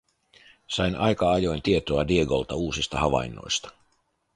Sain aika ajoin tietoa Diegolta uusista havainnoista.